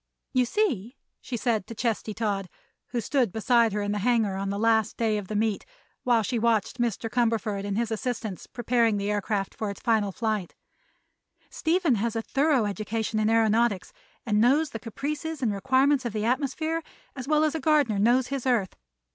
"You see," she said to Chesty Todd, who stood beside her in the hangar on the last day of the meet while she watched Mr. Cumberford and his assistants preparing the aircraft for its final flight, "Stephen has a thorough education in aëronautics and knows the caprices and requirements of the atmosphere as well as a gardener knows his earth.